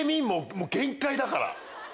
もう限界だから。